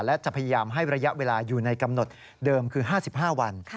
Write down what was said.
และจะพยายามให้ระยะเวลาอยู่ในกำหนดเดิมคือ๕๕วัน